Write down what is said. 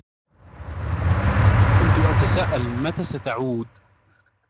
كنت أتساءل متى ستعود؟